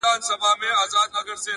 کنې دوى دواړي ويدېږي ورځ تېرېږي!